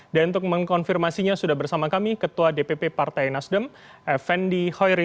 dan untuk mengkonfirmasinya sudah bersama kami ketua dpp partai nasdem fendi hoyri